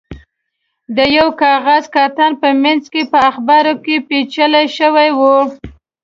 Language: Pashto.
د یوه کاغذي کارتن په منځ کې په اخبار کې پېچل شوی و.